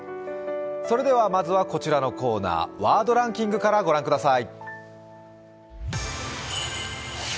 それではまずはこちらのコーナー、ワードランキングから御覧ください。